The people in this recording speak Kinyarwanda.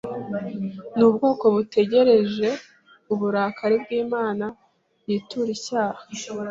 n’ubwoko butegereje uburakari bw’Imana yitura icyaha